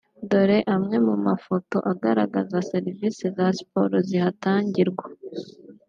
Dore amwe mu mafoto agaragaza serivisi za sport zihatangirwa